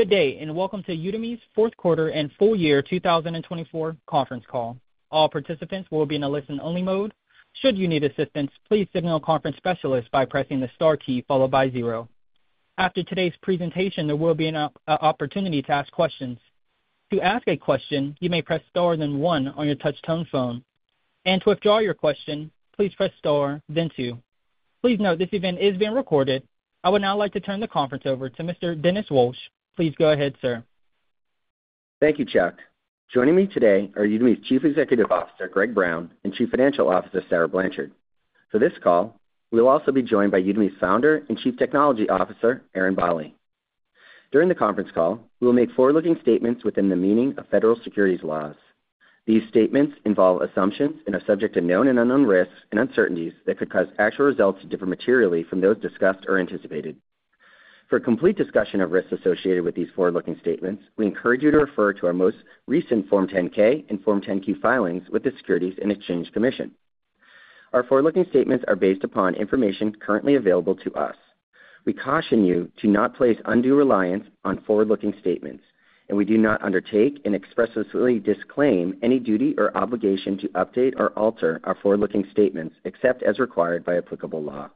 Good day, and welcome to Udemy's fourth quarter and full year 2024 conference call. All participants will be in a listen-only mode. Should you need assistance, please signal conference specialists by pressing the star key followed by zero. After today's presentation, there will be an opportunity to ask questions. To ask a question, you may press star then one on your touch-tone phone. And to withdraw your question, please press star, then two. Please note this event is being recorded. I would now like to turn the conference over to Mr. Dennis Walsh. Please go ahead, sir. Thank you, Chuck. Joining me today are Udemy's Chief Executive Officer, Greg Brown, and Chief Financial Officer, Sarah Blanchard. For this call, we will also be joined by Udemy's Founder and Chief Technology Officer, Eren Bali. During the conference call, we will make forward-looking statements within the meaning of federal securities laws. These statements involve assumptions and are subject to known and unknown risks and uncertainties that could cause actual results to differ materially from those discussed or anticipated. For complete discussion of risks associated with these forward-looking statements, we encourage you to refer to our most recent Form 10-K and Form 10-Q filings with the Securities and Exchange Commission. Our forward-looking statements are based upon information currently available to us. We caution you to not place undue reliance on forward-looking statements, and we do not undertake and expressly disclaim any duty or obligation to update or alter our forward-looking statements except as required by applicable law.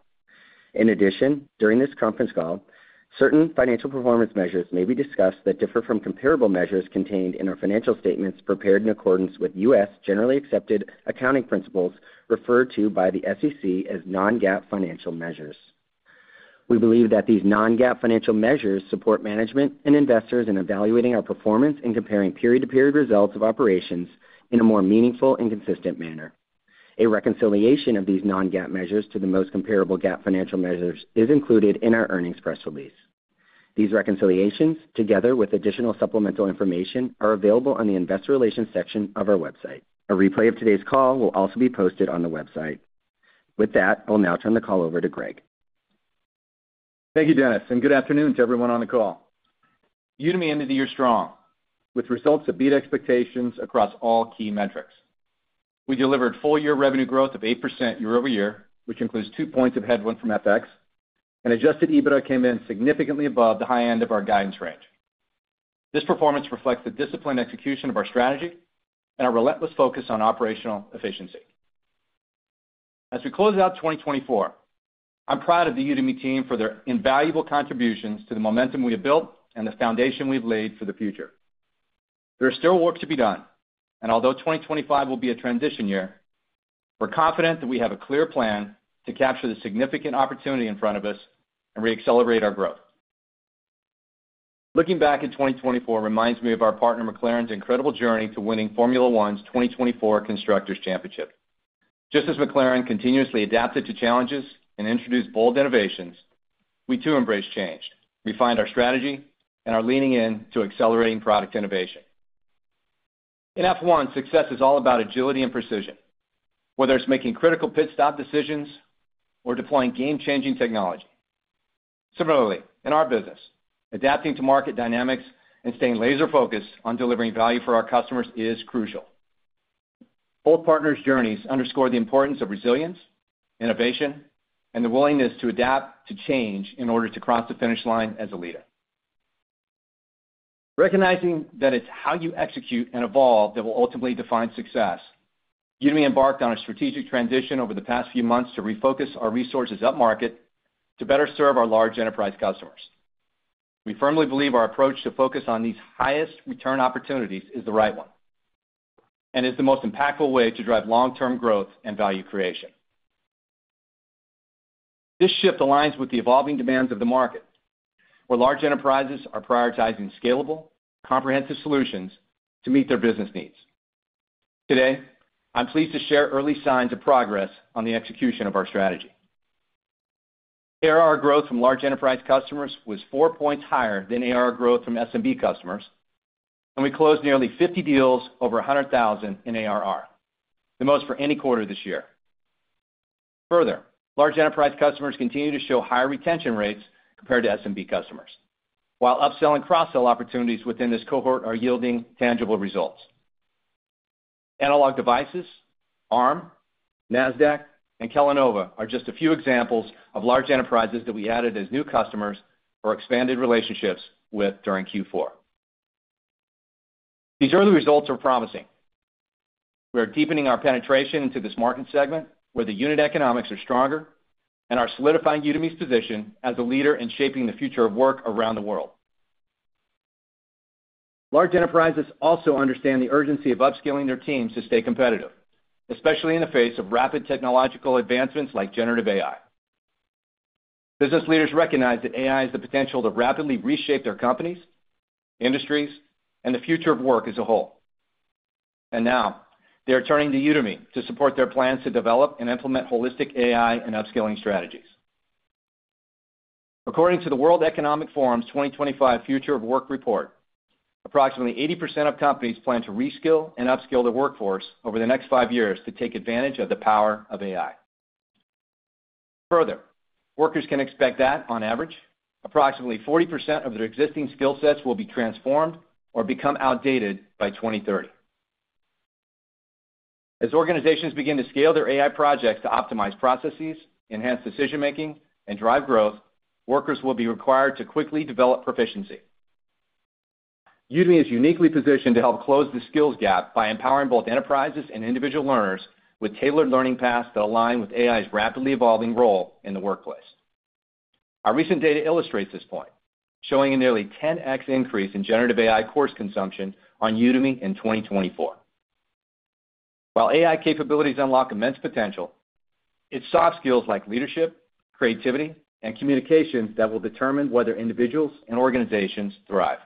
In addition, during this conference call, certain financial performance measures may be discussed that differ from comparable measures contained in our financial statements prepared in accordance with U.S. Generally Accepted Accounting Principles referred to by the SEC as non-GAAP financial measures. We believe that these non-GAAP financial measures support management and investors in evaluating our performance and comparing period-to-period results of operations in a more meaningful and consistent manner. A reconciliation of these non-GAAP measures to the most comparable GAAP financial measures is included in our earnings press release. These reconciliations, together with additional supplemental information, are available on the investor relations section of our website. A replay of today's call will also be posted on the website. With that, I'll now turn the call over to Gregg. Thank you, Dennis, and good afternoon to everyone on the call. Udemy ended the year strong, with results that beat expectations across all key metrics. We delivered full-year revenue growth of 8% year-over-year, which includes two points of headwind from FX, and Adjusted EBITDA came in significantly above the high end of our guidance range. This performance reflects the disciplined execution of our strategy and our relentless focus on operational efficiency. As we close out 2024, I'm proud of the Udemy team for their invaluable contributions to the momentum we have built and the foundation we've laid for the future. There is still work to be done, and although 2025 will be a transition year, we're confident that we have a clear plan to capture the significant opportunity in front of us and re-accelerate our growth. Looking back at 2024 reminds me of our partner McLaren's incredible journey to winning Formula One's 2024 Constructors' Championship. Just as McLaren continuously adapted to challenges and introduced bold innovations, we too embrace change. We find our strategy and our leaning in to accelerating product innovation. In F1, success is all about agility and precision, whether it's making critical pit stop decisions or deploying game-changing technology. Similarly, in our business, adapting to market dynamics and staying laser-focused on delivering value for our customers is crucial. Both partners' journeys underscore the importance of resilience, innovation, and the willingness to adapt to change in order to cross the finish line as a leader. Recognizing that it's how you execute and evolve that will ultimately define success, Udemy embarked on a strategic transition over the past few months to refocus our resources upmarket to better serve our large enterprise customers. We firmly believe our approach to focus on these highest return opportunities is the right one and is the most impactful way to drive long-term growth and value creation. This shift aligns with the evolving demands of the market, where large enterprises are prioritizing scalable, comprehensive solutions to meet their business needs. Today, I'm pleased to share early signs of progress on the execution of our strategy. ARR growth from large enterprise customers was four points higher than ARR growth from SMB customers, and we closed nearly 50 deals over 100,000 in ARR, the most for any quarter this year. Further, large enterprise customers continue to show higher retention rates compared to SMB customers, while upsell and cross-sell opportunities within this cohort are yielding tangible results. Analog Devices, Arm, Nasdaq, and Kellanova are just a few examples of large enterprises that we added as new customers or expanded relationships with during Q4. These early results are promising. We are deepening our penetration into this market segment where the unit economics are stronger, and are solidifying Udemy's position as a leader in shaping the future of work around the world. Large enterprises also understand the urgency of upskilling their teams to stay competitive, especially in the face of rapid technological advancements like generative AI. Business leaders recognize that AI has the potential to rapidly reshape their companies, industries, and the future of work as a whole, and now, they are turning to Udemy to support their plans to develop and implement holistic AI and upskilling strategies. According to the World Economic Forum's 2025 Future of Work report, approximately 80% of companies plan to reskill and upskill their workforce over the next five years to take advantage of the power of AI. Further, workers can expect that, on average, approximately 40% of their existing skill sets will be transformed or become outdated by 2030. As organizations begin to scale their AI projects to optimize processes, enhance decision-making, and drive growth, workers will be required to quickly develop proficiency. Udemy is uniquely positioned to help close the skills gap by empowering both enterprises and individual learners with tailored learning paths that align with AI's rapidly evolving role in the workplace. Our recent data illustrates this point, showing a nearly 10x increase in generative AI course consumption on Udemy in 2024. While AI capabilities unlock immense potential, it's soft skills like leadership, creativity, and communication that will determine whether individuals and organizations thrive.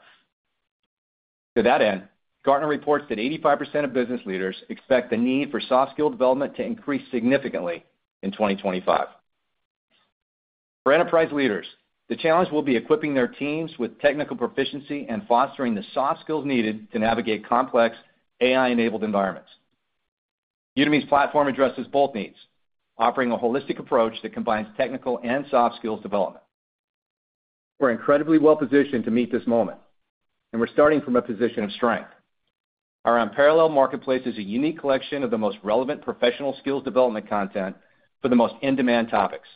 To that end, Gartner reports that 85% of business leaders expect the need for soft skill development to increase significantly in 2025. For enterprise leaders, the challenge will be equipping their teams with technical proficiency and fostering the soft skills needed to navigate complex AI-enabled environments. Udemy's platform addresses both needs, offering a holistic approach that combines technical and soft skills development. We're incredibly well-positioned to meet this moment, and we're starting from a position of strength. Our unparalleled marketplace is a unique collection of the most relevant professional skills development content for the most in-demand topics.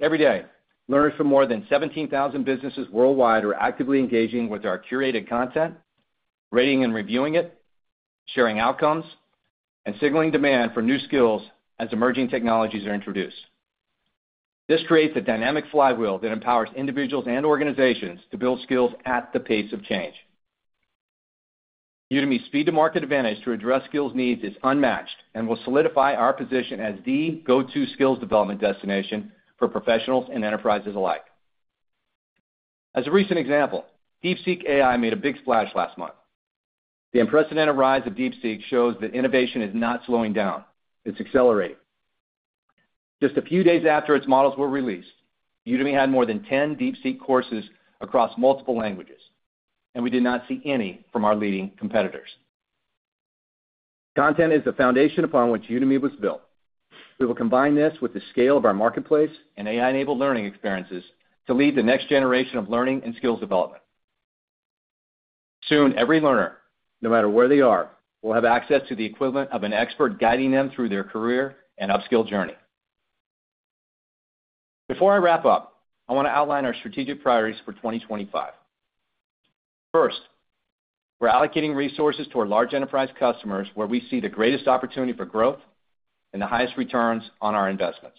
Every day, learners from more than 17,000 businesses worldwide are actively engaging with our curated content, rating and reviewing it, sharing outcomes, and signaling demand for new skills as emerging technologies are introduced. This creates a dynamic flywheel that empowers individuals and organizations to build skills at the pace of change. Udemy's speed-to-market advantage to address skills needs is unmatched and will solidify our position as the go-to skills development destination for professionals and enterprises alike. As a recent example, DeepSeek AI made a big splash last month. The unprecedented rise of DeepSeek shows that innovation is not slowing down, it's accelerating. Just a few days after its models were released, Udemy had more than 10 DeepSeek courses across multiple languages, and we did not see any from our leading competitors. Content is the foundation upon which Udemy was built. We will combine this with the scale of our marketplace and AI-enabled learning experiences to lead the next generation of learning and skills development. Soon, every learner, no matter where they are, will have access to the equivalent of an expert guiding them through their career and upskill journey. Before I wrap up, I want to outline our strategic priorities for 2025. First, we're allocating resources toward large enterprise customers where we see the greatest opportunity for growth and the highest returns on our investments.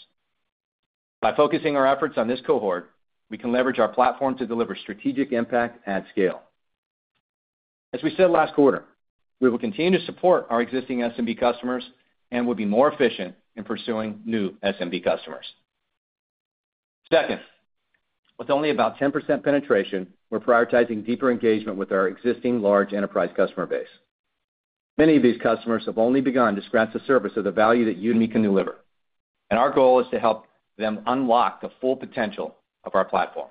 By focusing our efforts on this cohort, we can leverage our platform to deliver strategic impact at scale. As we said last quarter, we will continue to support our existing SMB customers and will be more efficient in pursuing new SMB customers. Second, with only about 10% penetration, we're prioritizing deeper engagement with our existing large enterprise customer base. Many of these customers have only begun to scratch the surface of the value that Udemy can deliver, and our goal is to help them unlock the full potential of our platform.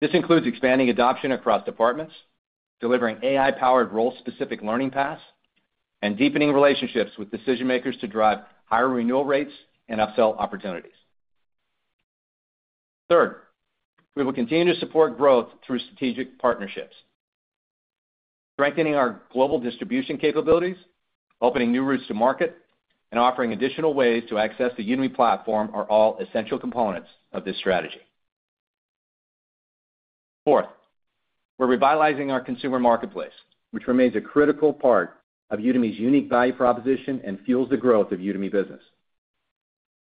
This includes expanding adoption across departments, delivering AI-powered role-specific learning paths, and deepening relationships with decision-makers to drive higher renewal rates and upsell opportunities. Third, we will continue to support growth through strategic partnerships. Strengthening our global distribution capabilities, opening new routes to market, and offering additional ways to access the Udemy platform are all essential components of this strategy. Fourth, we're revitalizing our consumer marketplace, which remains a critical part of Udemy's unique value proposition and fuels the growth of Udemy Business.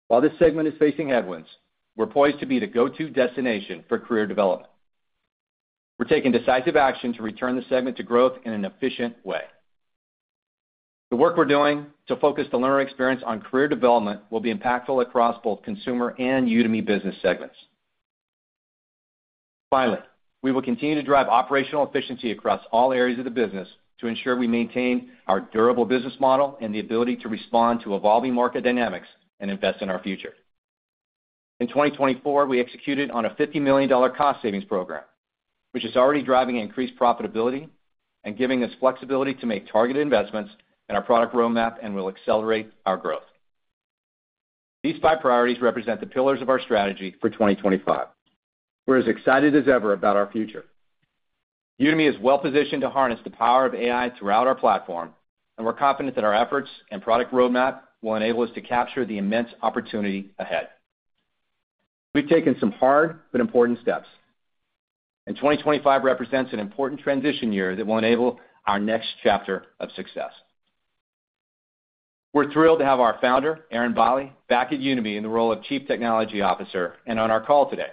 While this segment is facing headwinds, we're poised to be the go-to destination for career development. We're taking decisive action to return the segment to growth in an efficient way. The work we're doing to focus the learner experience on career development will be impactful across both consumer and Udemy Business segments. Finally, we will continue to drive operational efficiency across all areas of the business to ensure we maintain our durable business model and the ability to respond to evolving market dynamics and invest in our future. In 2024, we executed on a $50 million cost savings program, which is already driving increased profitability and giving us flexibility to make targeted investments in our product roadmap and will accelerate our growth. These five priorities represent the pillars of our strategy for 2025. We're as excited as ever about our future. Udemy is well-positioned to harness the power of AI throughout our platform, and we're confident that our efforts and product roadmap will enable us to capture the immense opportunity ahead. We've taken some hard but important steps, and 2025 represents an important transition year that will enable our next chapter of success. We're thrilled to have our founder, Eren Bali, back at Udemy in the role of Chief Technology Officer and on our call today.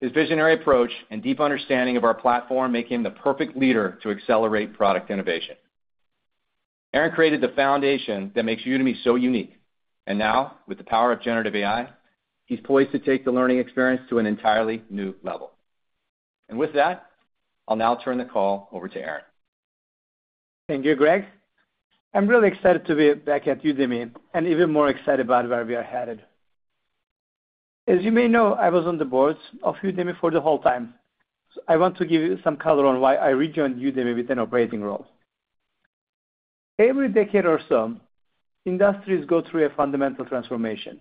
His visionary approach and deep understanding of our platform make him the perfect leader to accelerate product innovation. Eren created the foundation that makes Udemy so unique, and now, with the power of generative AI, he's poised to take the learning experience to an entirely new level, and with that, I'll now turn the call over to Eren. Thank you, Gregg. I'm really excited to be back at Udemy and even more excited about where we are headed. As you may know, I was on the boards of Udemy for the whole time. I want to give you some color on why I rejoined Udemy with an operating role. Every decade or so, industries go through a fundamental transformation.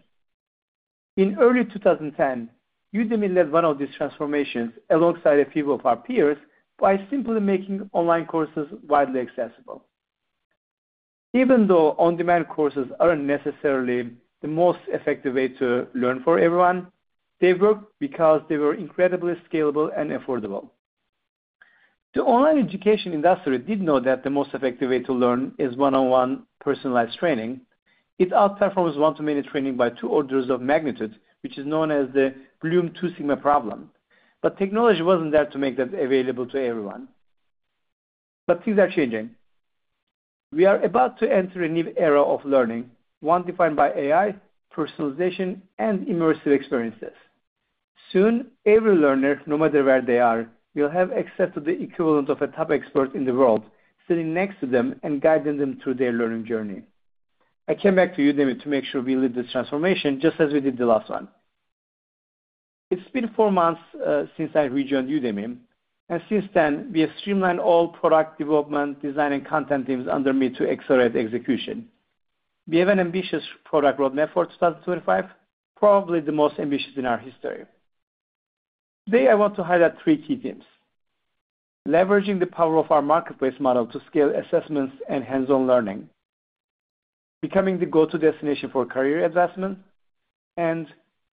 In early 2010, Udemy led one of these transformations alongside a few of our peers by simply making online courses widely accessible. Even though on-demand courses aren't necessarily the most effective way to learn for everyone, they worked because they were incredibly scalable and affordable. The online education industry did know that the most effective way to learn is one-on-one personalized training. It outperforms one-to-many training by two orders of magnitude, which is known as the Bloom's 2 Sigma Problem. But technology wasn't there to make that available to everyone. But things are changing. We are about to enter a new era of learning, one defined by AI, personalization, and immersive experiences. Soon, every learner, no matter where they are, will have access to the equivalent of a top expert in the world, sitting next to them and guiding them through their learning journey. I came back to Udemy to make sure we lead this transformation just as we did the last one. It's been four months since I rejoined Udemy, and since then, we have streamlined all product development, design, and content teams under me to accelerate execution. We have an ambitious product roadmap for 2025, probably the most ambitious in our history. Today, I want to highlight three key themes: leveraging the power of our marketplace model to scale assessments and hands-on learning, becoming the go-to destination for career advancement, and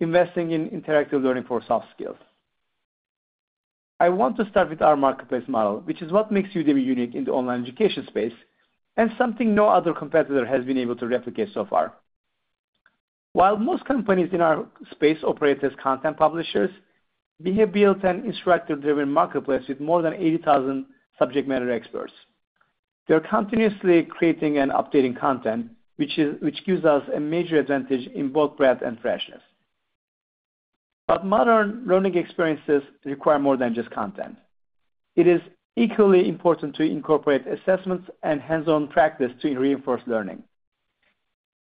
investing in interactive learning for soft skills. I want to start with our marketplace model, which is what makes Udemy unique in the online education space and something no other competitor has been able to replicate so far. While most companies in our space operate as content publishers, we have built an instructor-driven marketplace with more than 80,000 subject matter experts. They're continuously creating and updating content, which gives us a major advantage in both breadth and freshness. But modern learning experiences require more than just content. It is equally important to incorporate assessments and hands-on practice to reinforce learning.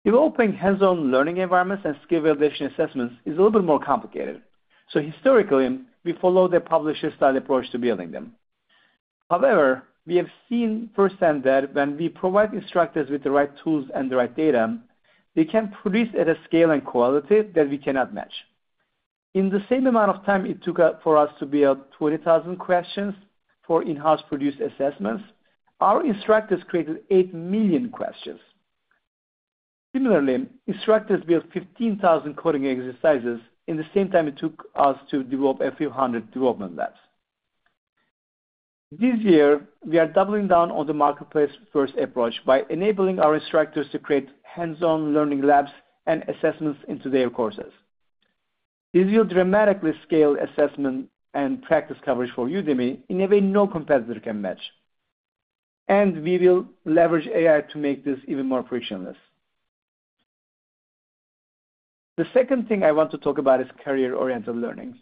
Developing hands-on learning environments and skill validation assessments is a little bit more complicated. Historically, we followed the publisher-style approach to building them. However, we have seen firsthand that when we provide instructors with the right tools and the right data, they can produce at a scale and quality that we cannot match. In the same amount of time it took for us to build 20,000 questions for in-house produced assessments, our instructors created 8 million questions. Similarly, instructors built 15,000 coding exercises in the same time it took us to develop a few hundred development labs. This year, we are doubling down on the marketplace-first approach by enabling our instructors to create hands-on learning labs and assessments into their courses. This will dramatically scale assessment and practice coverage for Udemy in a way no competitor can match. And we will leverage AI to make this even more frictionless. The second thing I want to talk about is career-oriented learning.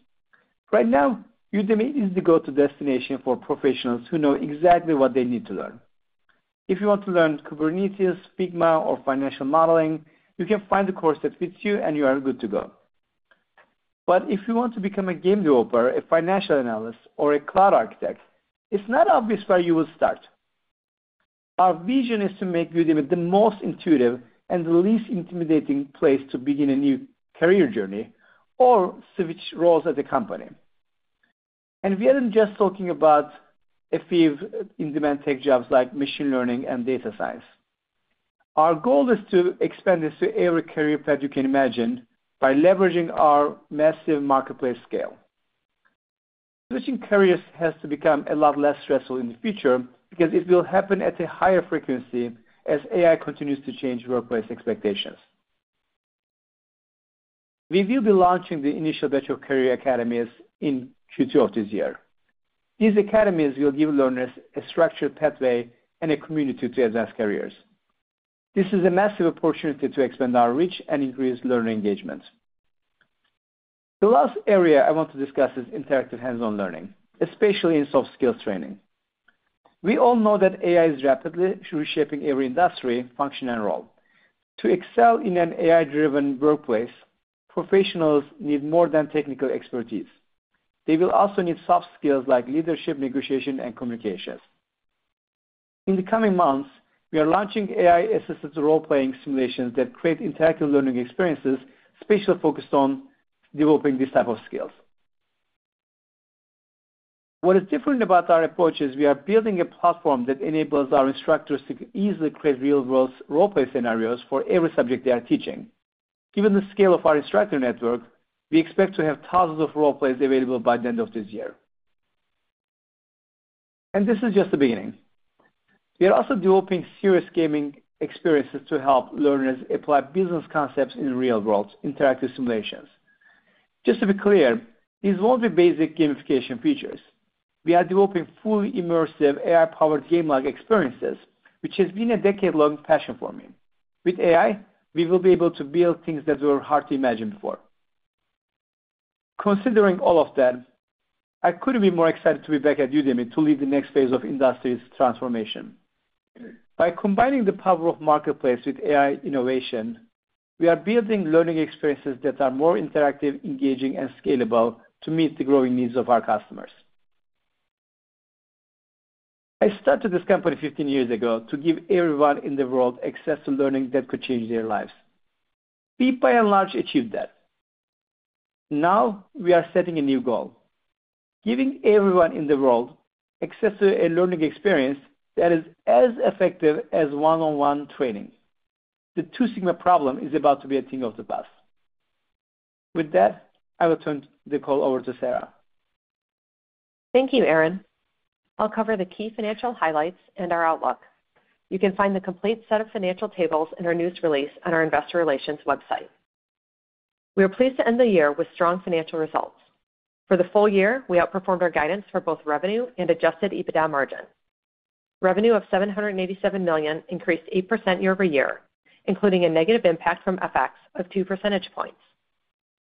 Right now, Udemy is the go-to destination for professionals who know exactly what they need to learn. If you want to learn Kubernetes, Figma, or financial modeling, you can find the course that fits you, and you are good to go, but if you want to become a game developer, a financial analyst, or a cloud architect, it's not obvious where you will start. Our vision is to make Udemy the most intuitive and the least intimidating place to begin a new career journey or switch roles at the company, and we aren't just talking about a few in-demand tech jobs like machine learning and data science. Our goal is to expand this to every career path you can imagine by leveraging our massive marketplace scale. Switching careers has to become a lot less stressful in the future because it will happen at a higher frequency as AI continues to change workplace expectations. We will be launching the initial batch of Career Academies in Q2 of this year. These academies will give learners a structured pathway and a community to advance careers. This is a massive opportunity to expand our reach and increase learner engagement. The last area I want to discuss is interactive hands-on learning, especially in soft skills training. We all know that AI is rapidly reshaping every industry, function, and role. To excel in an AI-driven workplace, professionals need more than technical expertise. They will also need soft skills like leadership, negotiation, and communications. In the coming months, we are launching AI-assisted role-playing simulations that create interactive learning experiences specifically focused on developing these types of skills. What is different about our approach is we are building a platform that enables our instructors to easily create real-world role-play scenarios for every subject they are teaching. Given the scale of our instructor network, we expect to have thousands of role-plays available by the end of this year. And this is just the beginning. We are also developing serious gaming experiences to help learners apply business concepts in real-world interactive simulations. Just to be clear, these won't be basic gamification features. We are developing fully immersive AI-powered game-like experiences, which has been a decade-long passion for me. With AI, we will be able to build things that were hard to imagine before. Considering all of that, I couldn't be more excited to be back at Udemy to lead the next phase of industry's transformation. By combining the power of the marketplace with AI innovation, we are building learning experiences that are more interactive, engaging, and scalable to meet the growing needs of our customers. I started this company 15 years ago to give everyone in the world access to learning that could change their lives. We by and large achieved that. Now, we are setting a new goal: giving everyone in the world access to a learning experience that is as effective as one-on-one training. The 2 Sigma Problem is about to be a thing of the past. With that, I will turn the call over to Sarah. Thank you, Eren. I'll cover the key financial highlights and our outlook. You can find the complete set of financial tables in our newest release on our Investor Relations website. We are pleased to end the year with strong financial results. For the full year, we outperformed our guidance for both revenue and adjusted EBITDA margin. Revenue of $787 million increased 8% year-over-year, including a negative impact from FX of 2 percentage points.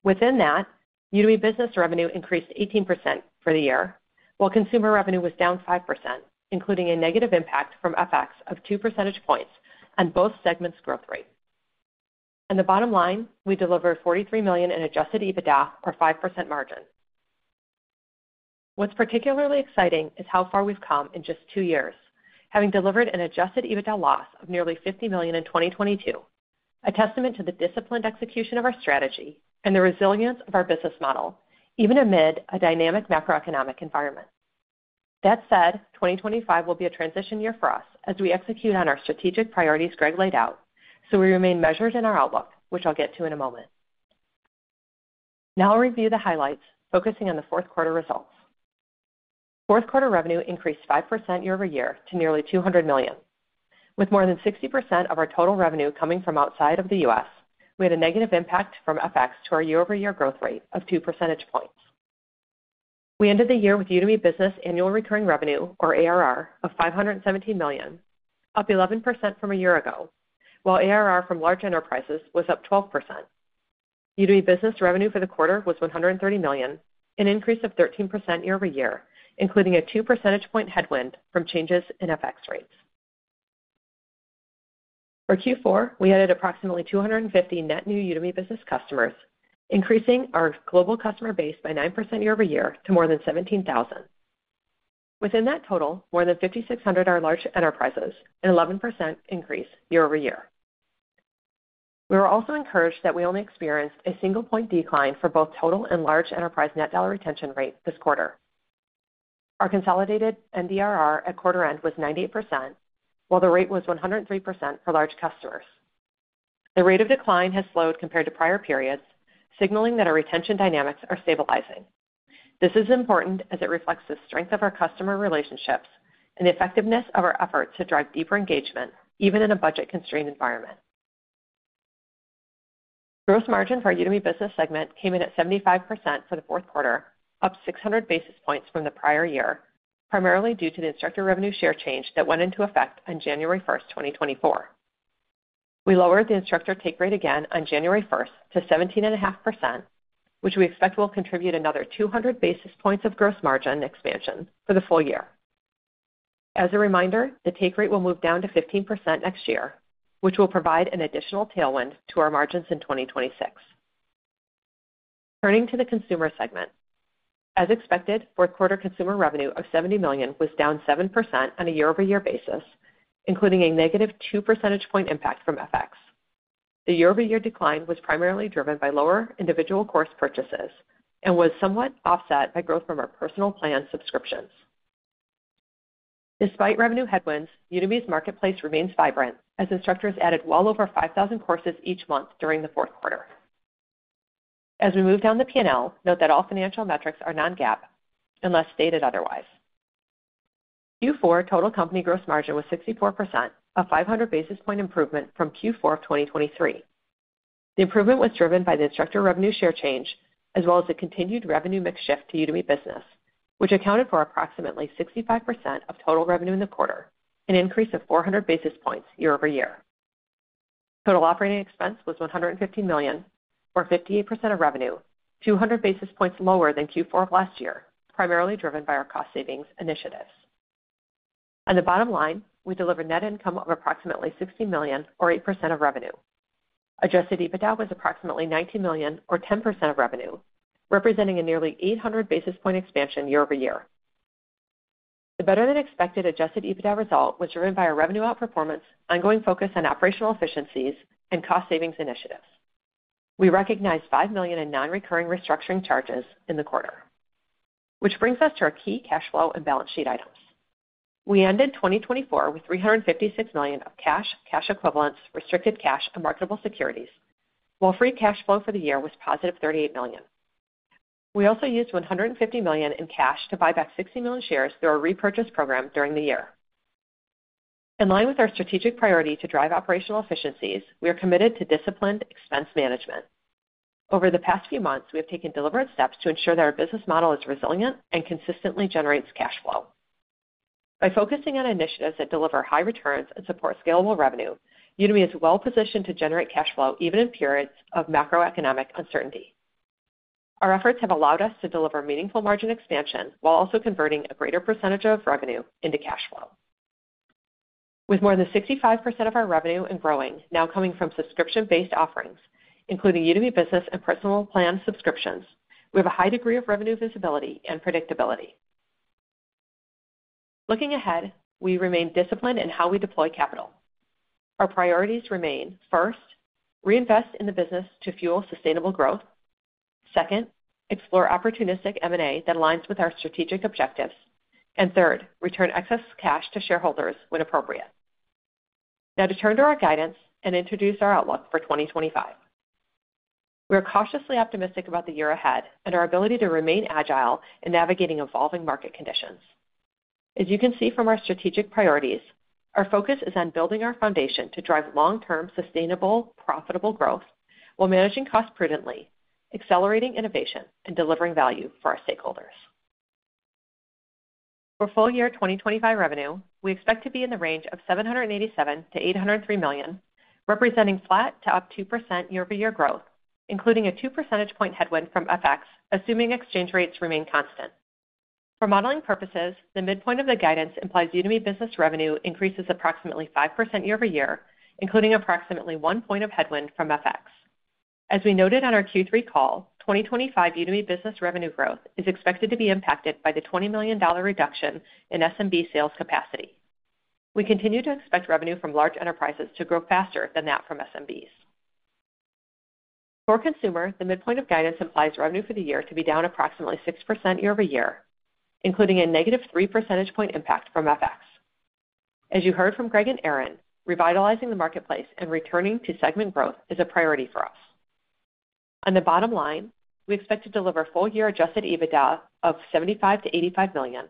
Within that, Udemy Business revenue increased 18% for the year, while consumer revenue was down 5%, including a negative impact from FX of 2 percentage points on both segments' growth rate. On the bottom line, we delivered $43 million in adjusted EBITDA or 5% margin. What's particularly exciting is how far we've come in just two years, having delivered an Adjusted EBITDA loss of nearly $50 million in 2022, a testament to the disciplined execution of our strategy and the resilience of our business model, even amid a dynamic macroeconomic environment. That said, 2025 will be a transition year for us as we execute on our strategic priorities Gregg laid out, so we remain measured in our outlook, which I'll get to in a moment. Now, I'll review the highlights, focusing on the fourth quarter results. Fourth quarter revenue increased 5% year-over-year to nearly $200 million. With more than 60% of our total revenue coming from outside of the U.S., we had a negative impact from FX to our year-over-year growth rate of 2 percentage points. We ended the year with Udemy Business annual recurring revenue, or ARR, of $517 million, up 11% from a year ago, while ARR from large enterprises was up 12%. Udemy Business revenue for the quarter was $130 million, an increase of 13% year-over-year, including a 2 percentage point headwind from changes in FX rates. For Q4, we added approximately 250 net new Udemy Business customers, increasing our global customer base by 9% year-over-year to more than 17,000. Within that total, more than 5,600 are large enterprises, an 11% increase year-over-year. We were also encouraged that we only experienced a single-point decline for both total and large enterprise net dollar retention rate this quarter. Our consolidated NDRR at quarter-end was 98%, while the rate was 103% for large customers. The rate of decline has slowed compared to prior periods, signaling that our retention dynamics are stabilizing. This is important as it reflects the strength of our customer relationships and the effectiveness of our efforts to drive deeper engagement, even in a budget-constrained environment. Gross margin for our Udemy Business segment came in at 75% for the fourth quarter, up 600 basis points from the prior year, primarily due to the instructor revenue share change that went into effect on January 1, 2024. We lowered the instructor take rate again on January 1 to 17.5%, which we expect will contribute another 200 basis points of gross margin expansion for the full year. As a reminder, the take rate will move down to 15% next year, which will provide an additional tailwind to our margins in 2026. Turning to the consumer segment, as expected, fourth quarter consumer revenue of $70 million was down 7% on a year-over-year basis, including a -2 percentage point impact from FX. The year-over-year decline was primarily driven by lower individual course purchases and was somewhat offset by growth from our Personal Plan subscriptions. Despite revenue headwinds, Udemy's marketplace remains vibrant as instructors added well over 5,000 courses each month during the fourth quarter. As we move down the P&L, note that all financial metrics are non-GAAP unless stated otherwise. Q4 total company gross margin was 64%, a 500 basis point improvement from Q4 of 2023. The improvement was driven by the instructor revenue share change, as well as the continued revenue mix shift to Udemy Business, which accounted for approximately 65% of total revenue in the quarter, an increase of 400 basis points year-over-year. Total operating expense was $115 million, or 58% of revenue, 200 basis points lower than Q4 of last year, primarily driven by our cost savings initiatives. On the bottom line, we delivered net income of approximately $60 million, or 8% of revenue. Adjusted EBITDA was approximately $19 million, or 10% of revenue, representing a nearly 800 basis point expansion year-over-year. The better-than-expected adjusted EBITDA result was driven by our revenue outperformance, ongoing focus on operational efficiencies, and cost savings initiatives. We recognized $5 million in non-recurring restructuring charges in the quarter, which brings us to our key cash flow and balance sheet items. We ended 2024 with $356 million of cash, cash equivalents, restricted cash, and marketable securities, while free cash flow for the year was positive $38 million. We also used $150 million in cash to buy back 60 million shares through our repurchase program during the year. In line with our strategic priority to drive operational efficiencies, we are committed to disciplined expense management. Over the past few months, we have taken deliberate steps to ensure that our business model is resilient and consistently generates cash flow. By focusing on initiatives that deliver high returns and support scalable revenue, Udemy is well-positioned to generate cash flow even in periods of macroeconomic uncertainty. Our efforts have allowed us to deliver meaningful margin expansion while also converting a greater percentage of revenue into cash flow. With more than 65% of our revenue and growing now coming from subscription-based offerings, including Udemy Business and Personal Plan subscriptions, we have a high degree of revenue visibility and predictability. Looking ahead, we remain disciplined in how we deploy capital. Our priorities remain: first, reinvest in the business to fuel sustainable growth. Second, explore opportunistic M&A that aligns with our strategic objectives. And third, return excess cash to shareholders when appropriate. Now, to turn to our guidance and introduce our outlook for 2025. We are cautiously optimistic about the year ahead and our ability to remain agile in navigating evolving market conditions. As you can see from our strategic priorities, our focus is on building our foundation to drive long-term sustainable, profitable growth while managing costs prudently, accelerating innovation, and delivering value for our stakeholders. For full year 2025 revenue, we expect to be in the range of $787 million-$803 million, representing flat to up 2% year-over-year growth, including a 2 percentage point headwind from FX, assuming exchange rates remain constant. For modeling purposes, the midpoint of the guidance implies Udemy Business revenue increases approximately 5% year-over-year, including approximately one point of headwind from FX. As we noted on our Q3 call, 2025 Udemy Business revenue growth is expected to be impacted by the $20 million reduction in SMB sales capacity. We continue to expect revenue from large enterprises to grow faster than that from SMBs. For consumer, the midpoint of guidance implies revenue for the year to be down approximately 6% year-over-year, including a negative three percentage point impact from FX. As you heard from Gregg and Eren, revitalizing the marketplace and returning to segment growth is a priority for us. On the bottom line, we expect to deliver full year Adjusted EBITDA of $75 million-$85 million,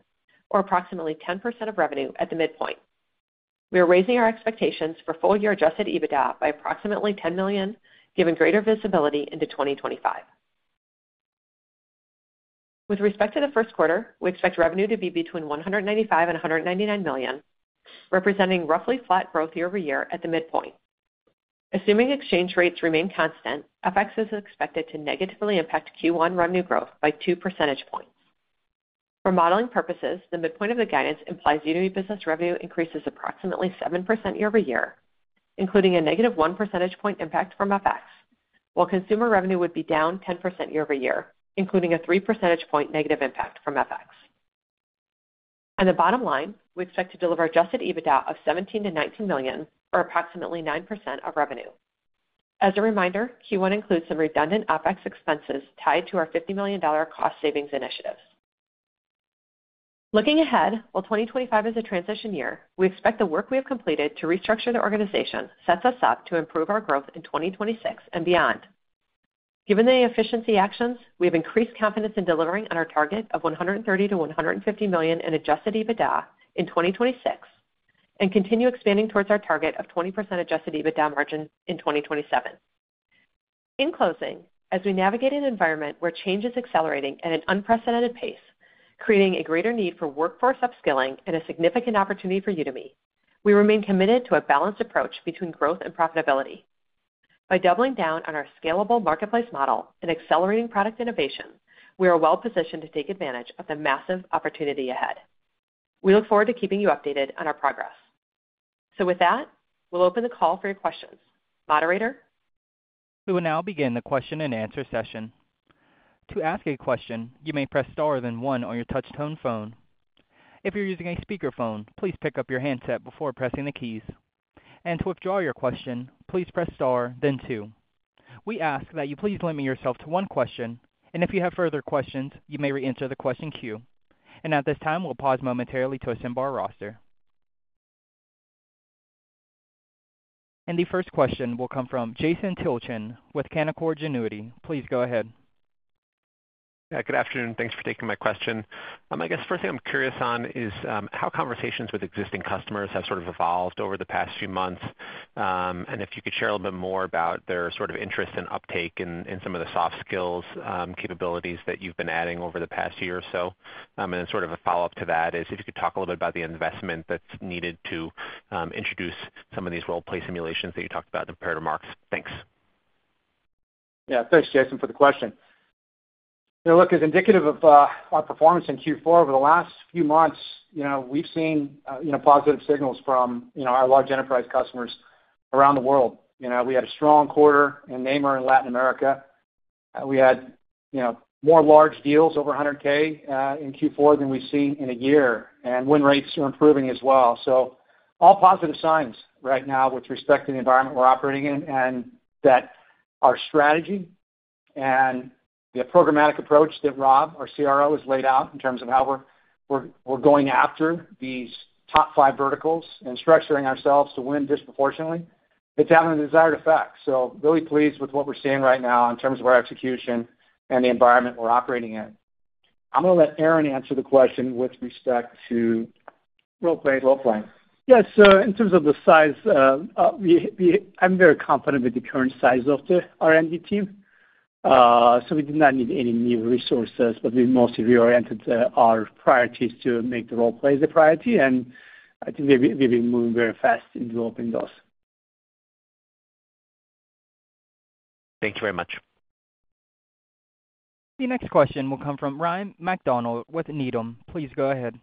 or approximately 10% of revenue at the midpoint. We are raising our expectations for full year Adjusted EBITDA by approximately $10 million, giving greater visibility into 2025. With respect to the first quarter, we expect revenue to be between $195 million and $199 million, representing roughly flat growth year-over-year at the midpoint. Assuming exchange rates remain constant, FX is expected to negatively impact Q1 revenue growth by 2 percentage points. For modeling purposes, the midpoint of the guidance implies Udemy Business revenue increases approximately 7% year-over-year, including a -1 percentage point impact from FX, while consumer revenue would be down 10% year-over-year, including a 3 percentage point negative impact from FX. On the bottom line, we expect to deliver Adjusted EBITDA of $17 million to $19 million, or approximately 9% of revenue. As a reminder, Q1 includes some redundant FX expenses tied to our $50 million cost savings initiatives. Looking ahead, while 2025 is a transition year, we expect the work we have completed to restructure the organization sets us up to improve our growth in 2026 and beyond. Given the efficiency actions, we have increased confidence in delivering on our target of $130 million-$150 million in Adjusted EBITDA in 2026 and continue expanding towards our target of 20% Adjusted EBITDA margin in 2027. In closing, as we navigate an environment where change is accelerating at an unprecedented pace, creating a greater need for workforce upskilling and a significant opportunity for Udemy, we remain committed to a balanced approach between growth and profitability. By doubling down on our scalable marketplace model and accelerating product innovation, we are well-positioned to take advantage of the massive opportunity ahead. We look forward to keeping you updated on our progress. So with that, we'll open the call for your questions. Moderator. We will now begin the question and answer session. To ask a question, you may press star then one on your touch-tone phone. If you're using a speakerphone, please pick up your handset before pressing the keys. And to withdraw your question, please press star then two. We ask that you please limit yourself to one question, and if you have further questions, you may re-enter the question queue. And at this time, we'll pause momentarily to assemble our roster. And the first question will come from Jason Tilchen with Canaccord Genuity. Please go ahead. Hi, good afternoon. Thanks for taking my question. I guess the first thing I'm curious on is how conversations with existing customers have sort of evolved over the past few months. And if you could share a little bit more about their sort of interest and uptake in some of the soft skills capabilities that you've been adding over the past year or so. And then sort of a follow-up to that is if you could talk a little bit about the investment that's needed to introduce some of these role-play simulations that you talked about in the prior remarks. Thanks. Yeah, thanks, Jason, for the question. Look, as indicative of our performance in Q4 over the last few months, we've seen positive signals from our large enterprise customers around the world. We had a strong quarter in NAM in Latin America. We had more large deals over 100,000 in Q4 than we've seen in a year. And win rates are improving as well. So all positive signs right now with respect to the environment we're operating in and that our strategy and the programmatic approach that Rob, our CRO, has laid out in terms of how we're going after these top five verticals and structuring ourselves to win disproportionately, it's having a desired effect. So really pleased with what we're seeing right now in terms of our execution and the environment we're operating in. I'm going to let Eren answer the question with respect to role-play as well. Yeah, so in terms of the size, I'm very confident with the current size of our ND team. So we did not need any new resources, but we mostly reoriented our priorities to make the role-play the priority. And I think we've been moving very fast in developing those. Thank you very much. The next question will come from Ryan MacDonald with Needham. Please go ahead.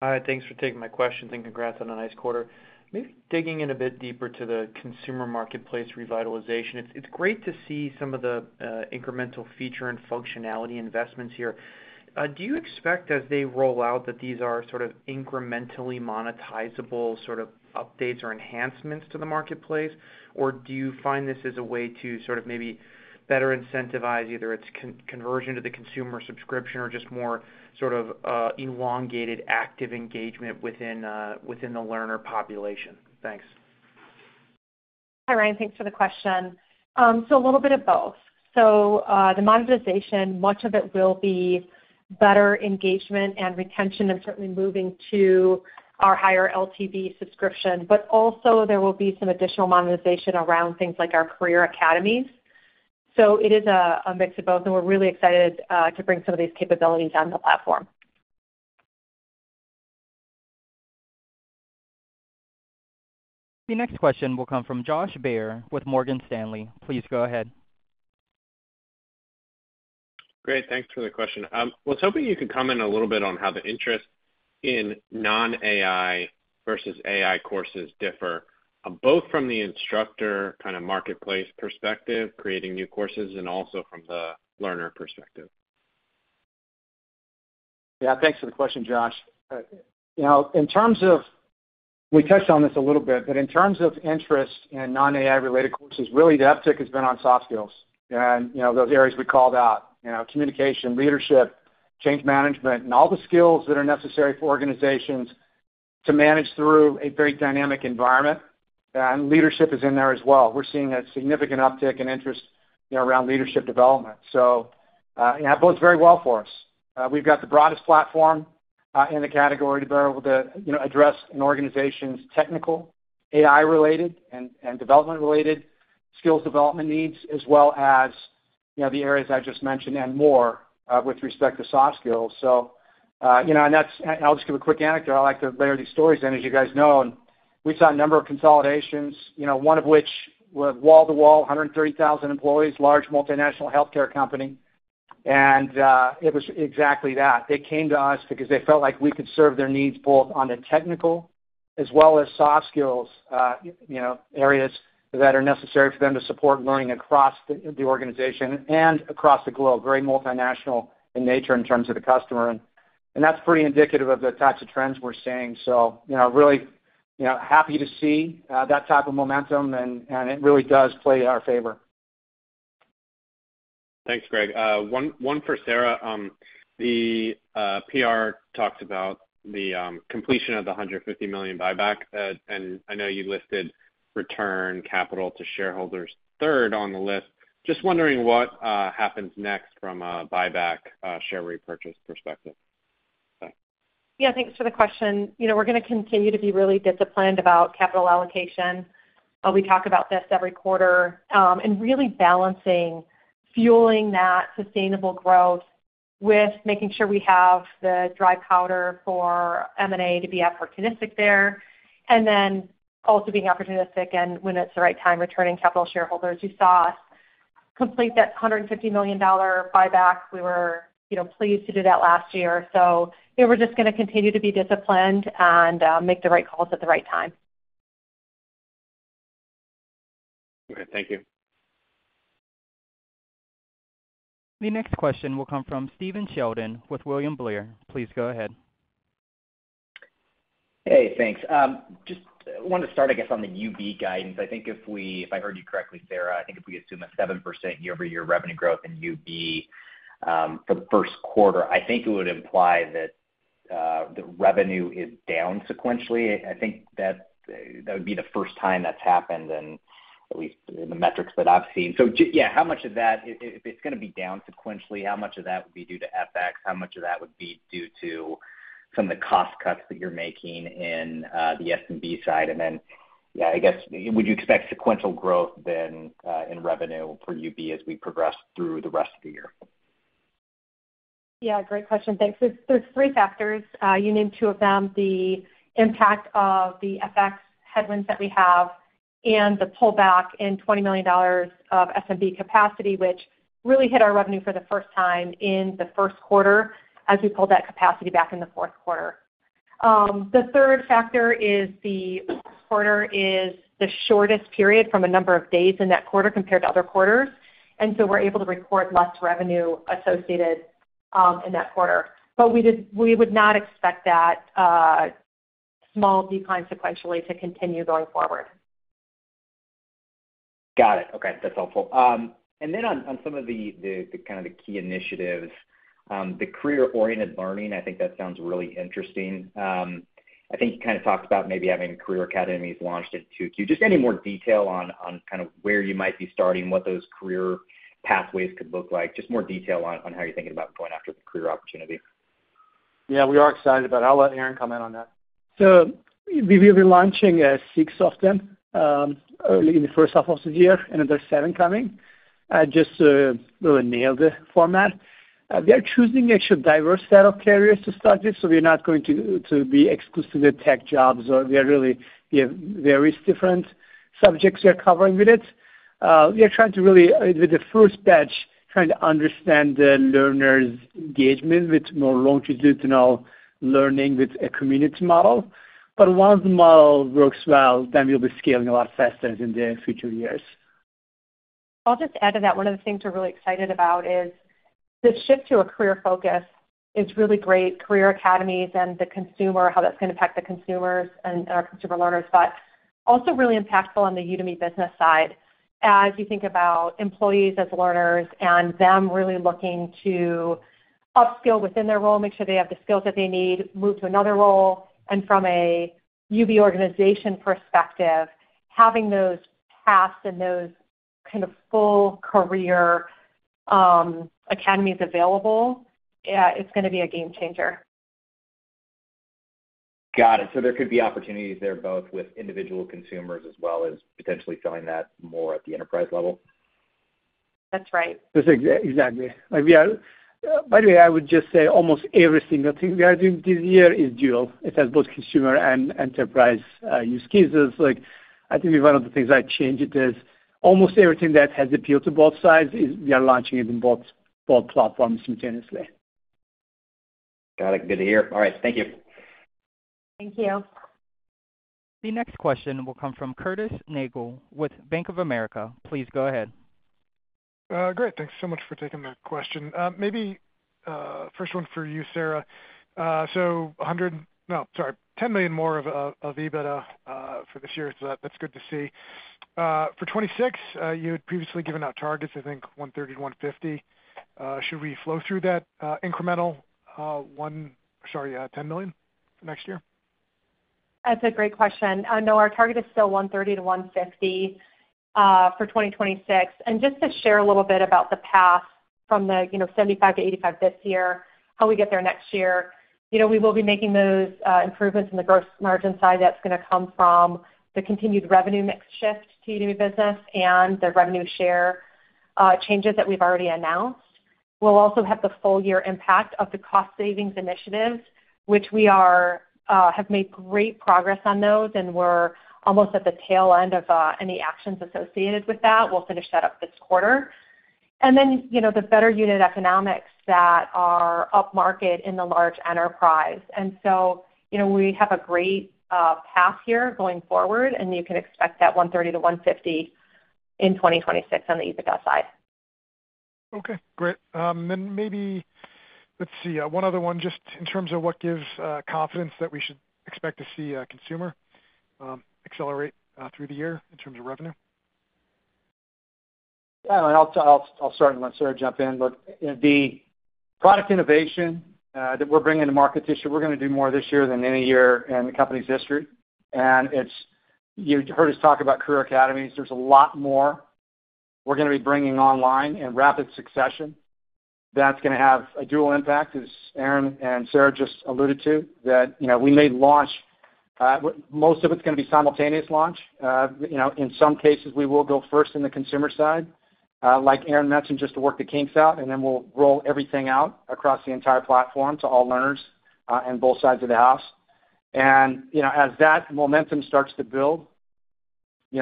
Hi, thanks for taking my question and congrats on a nice quarter. Maybe digging in a bit deeper to the consumer marketplace revitalization, it's great to see some of the incremental feature and functionality investments here. Do you expect as they roll out that these are sort of incrementally monetizable sort of updates or enhancements to the marketplace, or do you find this as a way to sort of maybe better incentivize either its conversion to the consumer subscription or just more sort of elongated active engagement within the learner population? Thanks. Hi, Ryan. Thanks for the question. So a little bit of both. So the monetization, much of it will be better engagement and retention and certainly moving to our higher LTV subscription. But also, there will be some additional monetization around things like our career academies. So it is a mix of both, and we're really excited to bring some of these capabilities on the platform. The next question will come from Josh Baer with Morgan Stanley. Please go ahead. Great. Thanks for the question. I was hoping you could comment a little bit on how the interest in non-AI versus AI courses differ, both from the instructor kind of marketplace perspective, creating new courses, and also from the learner perspective. Yeah, thanks for the question, Josh. In terms of we touched on this a little bit, but in terms of interest in non-AI related courses, really the uptick has been on soft skills and those areas we called out: communication, leadership, change management, and all the skills that are necessary for organizations to manage through a very dynamic environment. And leadership is in there as well. We're seeing a significant uptick in interest around leadership development. So it bodes very well for us. We've got the broadest platform in the category to be able to address an organization's technical, AI-related, and development-related skills development needs, as well as the areas I just mentioned and more with respect to soft skills. So I'll just give a quick anecdote. I like to layer these stories in, as you guys know. And we saw a number of consolidations, one of which was wall-to-wall, 130,000 employees, large multinational healthcare company. And it was exactly that. They came to us because they felt like we could serve their needs both on the technical as well as soft skills areas that are necessary for them to support learning across the organization and across the globe, very multinational in nature in terms of the customer. And that's pretty indicative of the types of trends we're seeing. So really happy to see that type of momentum, and it really does play to our favor. Thanks, Gregg. One for Sarah. The PR talked about the completion of the $150 million buyback, and I know you listed return capital to shareholders third on the list. Just wondering what happens next from a buyback share repurchase perspective? Yeah, thanks for the question. We're going to continue to be really disciplined about capital allocation. We talk about this every quarter and really balancing fueling that sustainable growth with making sure we have the dry powder for M&A to be opportunistic there, and then also being opportunistic and when it's the right time returning capital to shareholders. You saw us complete that $150 million buyback. We were pleased to do that last year. So we're just going to continue to be disciplined and make the right calls at the right time. Okay, thank you. The next question will come from Stephen Sheldon with William Blair. Please go ahead. Hey, thanks. Just wanted to start, I guess, on the UB guidance. I think if I heard you correctly, Sarah, I think if we assume a 7% year-over-year revenue growth in UB for the first quarter, I think it would imply that revenue is down sequentially. I think that would be the first time that's happened, at least in the metrics that I've seen. So yeah, how much of that, if it's going to be down sequentially, how much of that would be due to FX? How much of that would be due to some of the cost cuts that you're making in the SMB side? And then yeah, I guess, would you expect sequential growth then in revenue for UB as we progress through the rest of the year? Yeah, great question. Thanks. There's three factors. You named two of them: the impact of the FX headwinds that we have and the pullback in $20 million of SMB capacity, which really hit our revenue for the first time in the first quarter as we pulled that capacity back in the fourth quarter. The third factor is the quarter is the shortest period from a number of days in that quarter compared to other quarters. And so we're able to record less revenue associated in that quarter. But we would not expect that small decline sequentially to continue going forward. Got it. Okay, that's helpful. And then on some of the kind of key initiatives, the career-oriented learning, I think that sounds really interesting. I think you kind of talked about maybe having career academies launched at Q2. Just any more detail on kind of where you might be starting, what those career pathways could look like, just more detail on how you're thinking about going after the career opportunity? Yeah, we are excited about it. I'll let Eren comment on that. So we will be launching six of them early in the first half of the year, another seven coming just to really nail the format. We are choosing actually a diverse set of careers to start this, so we're not going to be exclusively tech jobs. We have various different subjects we are covering with it. We are trying to really, with the first batch, understand the learner's engagement with more longitudinal learning with a community model. But once the model works well, then we'll be scaling a lot faster in the future years. I'll just add to that. One of the things we're really excited about is the shift to a career focus is really great. Career academies and the consumer, how that's going to impact the consumers and our consumer learners, but also really impactful on the Udemy Business side as you think about employees as learners and them really looking to upskill within their role, make sure they have the skills that they need, move to another role. And from a UB organization perspective, having those paths and those kind of full career academies available, it's going to be a game changer. Got it. So there could be opportunities there both with individual consumers as well as potentially selling that more at the enterprise level? That's right. Exactly. Yeah. By the way, I would just say almost every single thing we are doing this year is dual. It has both consumer and enterprise use cases. I think one of the things I changed is almost everything that has appeal to both sides is we are launching it in both platforms simultaneously. Got it. Good to hear. All right, thank you. Thank you. The next question will come from Curtis Nagle with Bank of America. Please go ahead. Great. Thanks so much for taking the question. Maybe first one for you, Sarah. So $10 million more of EBITDA for this year. So that's good to see. For 2026, you had previously given out targets, I think, $130 million-$150 million. Should we flow through that incremental $10 million next year? That's a great question. No, our target is still 130-150 for 2026. Just to share a little bit about the path from the 75-85 this year, how we get there next year, we will be making those improvements in the gross margin side. That's going to come from the continued revenue mix shift to Udemy Business and the revenue share changes that we've already announced. We'll also have the full-year impact of the cost savings initiatives, which we have made great progress on those, and we're almost at the tail end of any actions associated with that. We'll finish that up this quarter. Then the better unit economics that are upmarket in the large enterprise. So we have a great path here going forward, and you can expect that 130-150 in 2026 on the EBITDA side. Okay, great. Then maybe let's see. One other one, just in terms of what gives confidence that we should expect to see a consumer accelerate through the year in terms of revenue? Yeah, and I'll start and let Sarah jump in. Look, the product innovation that we're bringing to market this year, we're going to do more this year than any year in the company's history. And you heard us talk about career academies. There's a lot more we're going to be bringing online in rapid succession. That's going to have a dual impact, as Eren and Sarah just alluded to, that we may launch most of it's going to be simultaneous launch. In some cases, we will go first in the consumer side, like Eren mentioned, just to work the kinks out, and then we'll roll everything out across the entire platform to all learners and both sides of the house. And as that momentum starts to build, we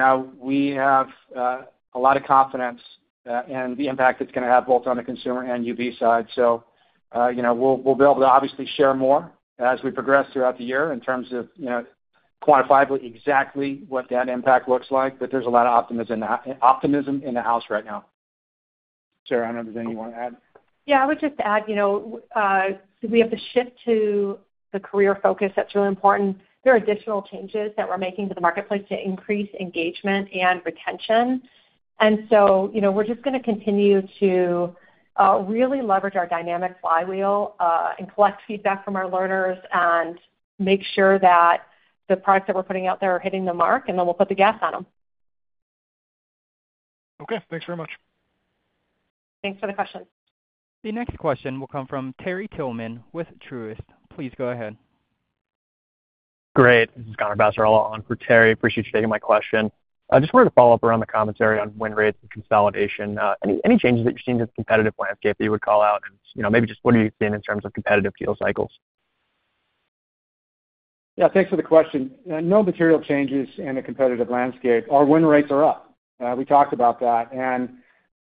have a lot of confidence in the impact it's going to have both on the consumer and UB side. So we'll be able to obviously share more as we progress throughout the year in terms of quantifiably exactly what that impact looks like. But there's a lot of optimism in the house right now. Sarah, I don't know if there's anything you want to add. Yeah, I would just add, we have to shift to the career focus. That's really important. There are additional changes that we're making to the marketplace to increase engagement and retention. And so we're just going to continue to really leverage our dynamic flywheel and collect feedback from our learners and make sure that the products that we're putting out there are hitting the mark, and then we'll put the gas on them. Okay, thanks very much. Thanks for the question. The next question will come from Terry Tillman with Truist. Please go ahead. Great. This is Connor Passarella, for Terry. Appreciate you taking my question. I just wanted to follow up around the commentary on win rates and consolidation. Any changes that you've seen to the competitive landscape that you would call out? And maybe just what are you seeing in terms of competitive deal cycles? Yeah, thanks for the question. No material changes in the competitive landscape. Our win rates are up. We talked about that, and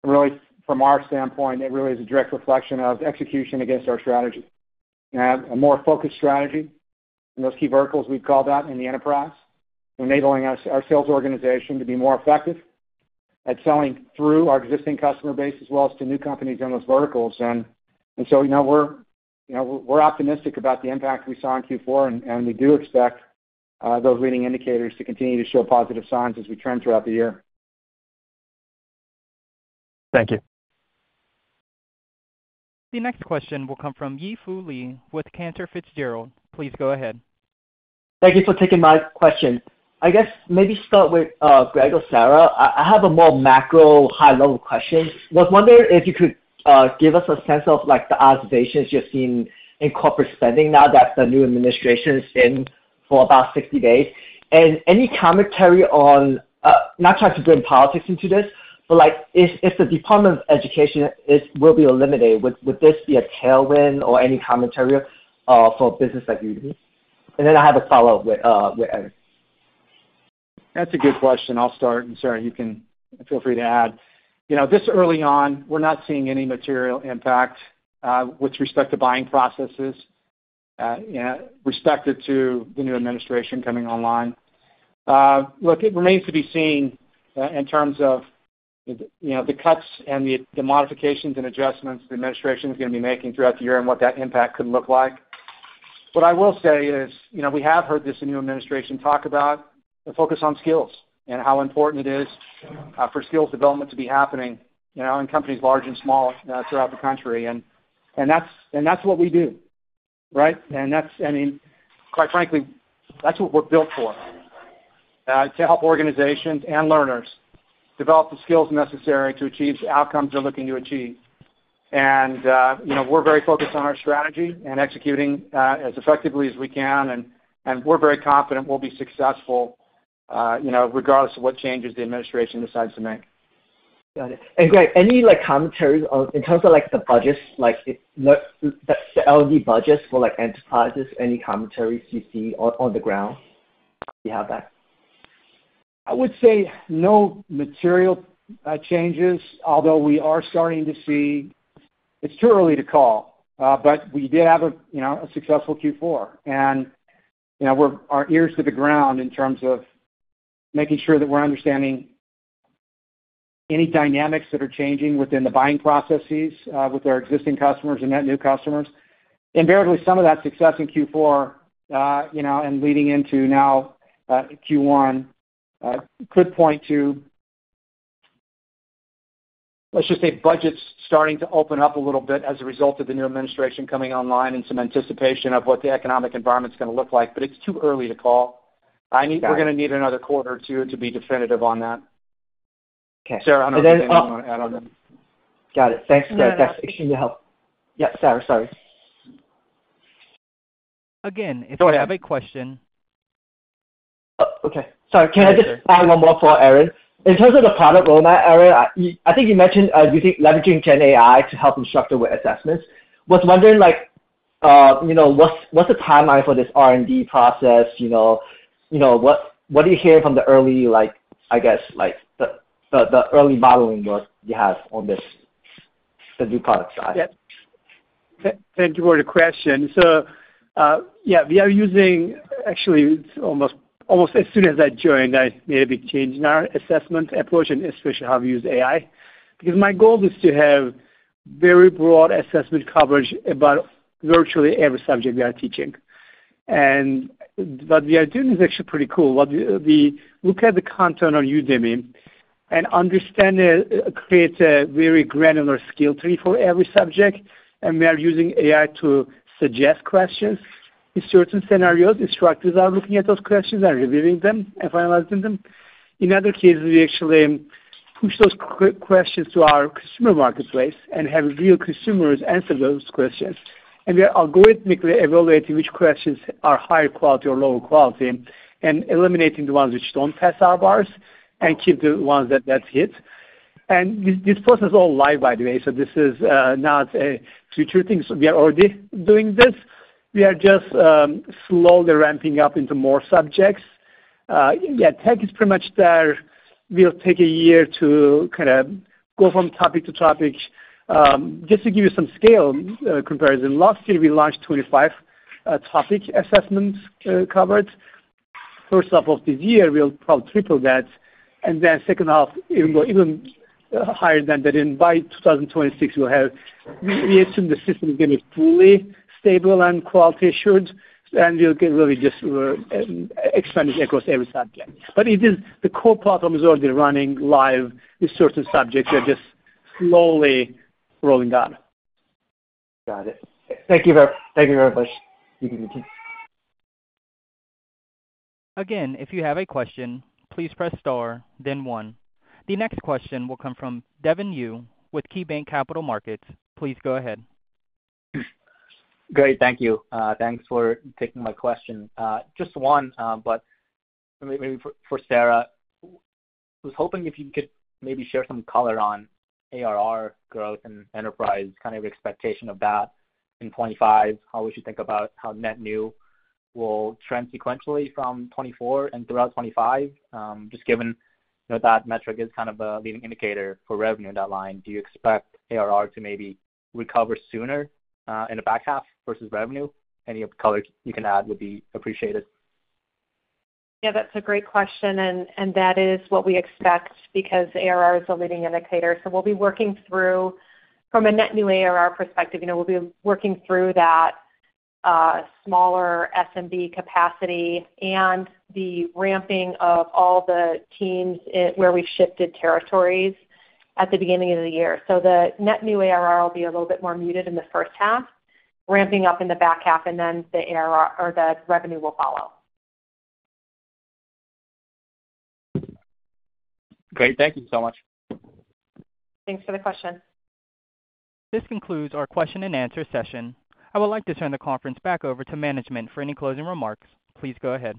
really, from our standpoint, it really is a direct reflection of execution against our strategy. A more focused strategy in those key verticals we've called out in the enterprise, enabling our sales organization to be more effective at selling through our existing customer base as well as to new companies in those verticals. And so we're optimistic about the impact we saw in Q4, and we do expect those leading indicators to continue to show positive signs as we trend throughout the year. Thank you. The next question will come from Yi Fu Lee with Cantor Fitzgerald. Please go ahead. Thank you for taking my question. I guess maybe start with Greg or Sarah. I have a more macro, high-level question. I was wondering if you could give us a sense of the observations you've seen in corporate spending now that the new administration is in for about 60 days. And any commentary on not trying to bring politics into this, but if the Department of Education will be eliminated, would this be a tailwind or any commentary for business like Udemy? And then I have a follow-up with Eren. That's a good question. I'll start, and Sarah, you can feel free to add. This early on, we're not seeing any material impact with respect to buying processes respective to the new administration coming online. Look, it remains to be seen in terms of the cuts and the modifications and adjustments the administration is going to be making throughout the year and what that impact could look like. What I will say is we have heard this new administration talk about the focus on skills and how important it is for skills development to be happening in companies large and small throughout the country, and that's what we do, right, and I mean, quite frankly, that's what we're built for: to help organizations and learners develop the skills necessary to achieve the outcomes they're looking to achieve. We're very focused on our strategy and executing as effectively as we can. We're very confident we'll be successful regardless of what changes the administration decides to make. Got it. And Greg, any commentary in terms of the budgets, the L&D budgets for enterprises? Any commentaries you see on the ground? You have that. I would say no material changes, although we are starting to see it's too early to call. But we did have a successful Q4, and we're ears to the ground in terms of making sure that we're understanding any dynamics that are changing within the buying processes with our existing customers and net new customers. Invariably, some of that success in Q4 and leading into now Q1 could point to, let's just say, budgets starting to open up a little bit as a result of the new administration coming online and some anticipation of what the economic environment's going to look like. But it's too early to call. We're going to need another quarter or two to be definitive on that. Sarah, I don't know if you want to add on that. Got it. Thanks, Greg. That's extremely helpful. Yeah, Sarah, sorry. Again, it's a big question. Okay. Sorry, can I just add one more for Eren? In terms of the product roadmap, Eren, I think you mentioned leveraging GenAI to help instructors with assessments. I was wondering, what's the timeline for this R&D process? What are you hearing from the early, I guess, modeling work you have on the new product side? Thank you for the question. So yeah, we are using actually, almost as soon as I joined, I made a big change in our assessment approach, and especially how we use AI. Because my goal is to have very broad assessment coverage about virtually every subject we are teaching. And what we are doing is actually pretty cool. We look at the content on Udemy and understand it, create a very granular skill tree for every subject. And we are using AI to suggest questions in certain scenarios. Instructors are looking at those questions and reviewing them and finalizing them. In other cases, we actually push those questions to our consumer marketplace and have real consumers answer those questions. And we are algorithmically evaluating which questions are higher quality or lower quality and eliminating the ones which don't pass our bars and keep the ones that hit. And this process is all live, by the way. So this is not a future thing. So we are already doing this. We are just slowly ramping up into more subjects. Yeah, tech is pretty much there. We'll take a year to kind of go from topic to topic. Just to give you some scale comparison, last year, we launched 25 topic assessments covered. First half of this year, we'll probably triple that. And then second half, even higher than that. And by 2026, we'll have, we assume, the system is going to be fully stable and quality assured, and we'll get really just expanded across every subject. But the core platform is already running live with certain subjects. We're just slowly rolling that. Got it. Thank you very much. Again, if you have a question, please press star, then one. The next question will come from Devin Au with KeyBanc Capital Markets. Please go ahead. Great. Thank you. Thanks for taking my question. Just one, but maybe for Sarah, I was hoping if you could maybe share some color on ARR growth and enterprise, kind of your expectation of that in 2025. How would you think about how net new will trend sequentially from 2024 and throughout 2025? Just given that metric is kind of a leading indicator for revenue in that line, do you expect ARR to maybe recover sooner in the back half versus revenue? Any color you can add would be appreciated. Yeah, that's a great question, and that is what we expect because ARR is a leading indicator, so we'll be working through, from a net new ARR perspective, we'll be working through that smaller SMB capacity and the ramping of all the teams where we've shifted territories at the beginning of the year, so the net new ARR will be a little bit more muted in the first half, ramping up in the back half, and then the ARR or the revenue will follow. Great. Thank you so much. Thanks for the question. This concludes our question and answer session. I would like to turn the conference back over to management for any closing remarks. Please go ahead.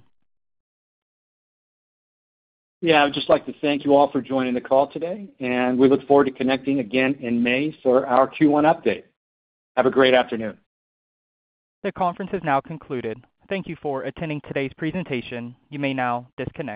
Yeah, I would just like to thank you all for joining the call today. And we look forward to connecting again in May for our Q1 update. Have a great afternoon. The conference has now concluded. Thank you for attending today's presentation. You may now disconnect.